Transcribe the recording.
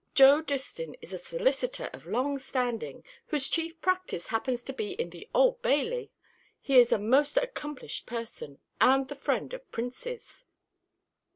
Joe Distin is a solicitor of long standing, whose chief practice happens to be in the Old Bailey. He is a most accomplished person, and the friend of princes."